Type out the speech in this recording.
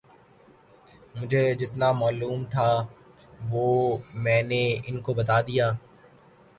مجھے جتنا معلوم تھا وہ میں نے ان کو بتا دیا